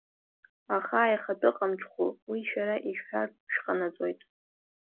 Ахааихатәыҟамчхәы уи шәара ишәҳәартә шәҟанаҵоит.